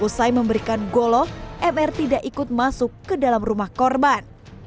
usai memberikan golok mr tidak ikut masuk ke dalam rumah korban